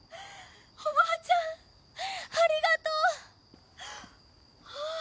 おばあちゃんありがとう。あぁ。